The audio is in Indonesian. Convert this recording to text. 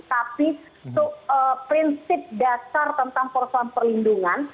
tapi prinsip dasar tentang persoalan perlindungan